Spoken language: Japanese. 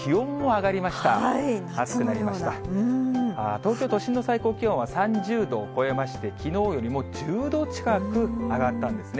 東京都心の最高気温は３０度を超えまして、きのうよりも１０度近く上がったんですね。